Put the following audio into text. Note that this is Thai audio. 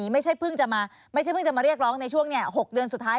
ไม่ใช่เพิ่งจะมาเรียกร้องในช่วง๖เดือนสุดท้าย